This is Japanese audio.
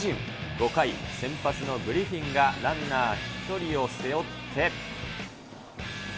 ５回、先発のグリフィンがランナー１人を背負って。